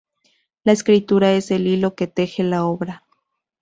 La escritura es el hilo que teje la obra.